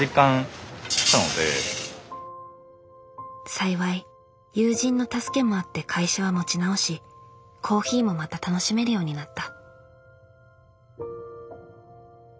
幸い友人の助けもあって会社は持ち直しコーヒーもまた楽しめるようになった。